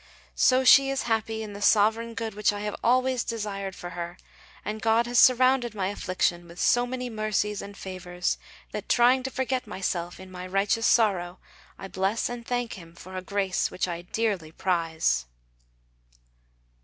So she is happy in the sovereign good which I have always desired for her, and God has surrounded my affliction with so many mercies and favours that trying to forget myself in my righteous sorrow I bless and thank Him for a grace which I dearly prize.